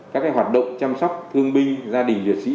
các hoạt động chăm sóc thương binh gia đình liệt sĩ